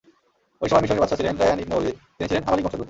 ঐ সময় মিসরের বাদশাহ ছিলেন রায়্যান ইবন ওলীদ, তিনি ছিলেন আমালিক বংশোদ্ভূত।